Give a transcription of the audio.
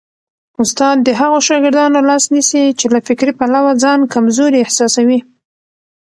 استاد د هغو شاګردانو لاس نیسي چي له فکري پلوه ځان کمزوري احساسوي.